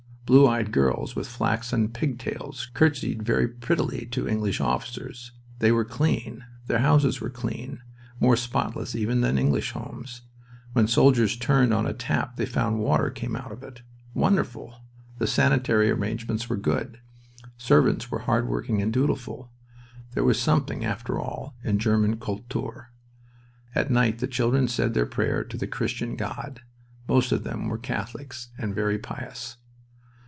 Blue eyed girls with flaxen pigtails courtesied very prettily to English officers. They were clean. Their houses were clean, more spotless even than English homes. When soldiers turned on a tap they found water came out of it. Wonderful! The sanitary arrangements were good. Servants were hard working and dutiful. There was something, after all, in German Kultur. At night the children said their prayer to the Christian God. Most of them were Catholics, and very pious.